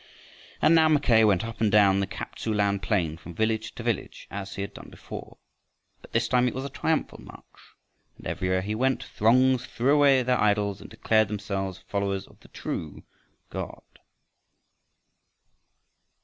And now Mackay went up and down the Kap tsu lan plain from village to village as he had done before, but this time it was a triumphal march. And everywhere he went throngs threw away their idols and declared themselves followers of the true God.